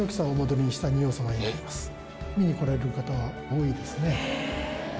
見に来られる方は多いですね。